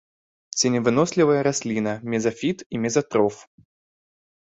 Ценевынослівая расліна, мезафіт і мезатроф.